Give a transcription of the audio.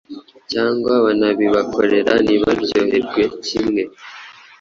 cyangwa banabibakorera ntibaryoherwe kimwe.